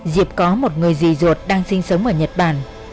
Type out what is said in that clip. diệp có một người dì ruột đang sinh sống ở nhật bản